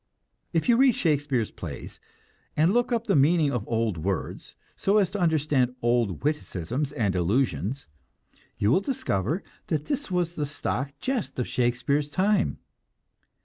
If you read Shakespeare's plays, and look up the meaning of old words, so as to understand old witticisms and allusions, you will discover that this was the stock jest of Shakespeare's time.